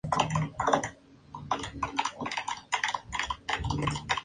Bush y de su bisabuelo, el senador Prescott Bush.